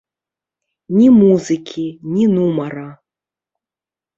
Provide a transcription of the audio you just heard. Ні музыкі, ні нумара.